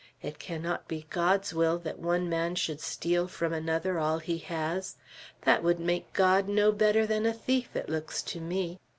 It cannot be God's will that one man should steal from another all he has. That would make God no better than a thief, it looks to me.